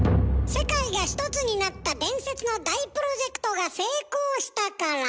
世界がひとつになった大プロジェクトが成功した？